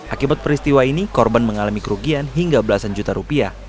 akibat peristiwa ini korban mengalami kerugian hingga belasan juta rupiah